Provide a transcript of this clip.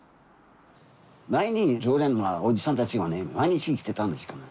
前に常連のおじさんたちがね毎日来ていたんですけどね。